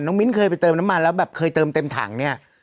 มิ้นเคยไปเติมน้ำมันแล้วแบบเคยเติมเต็มถังเนี่ย